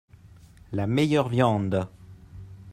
La meilleure viande.